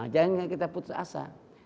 jangan kita putus asa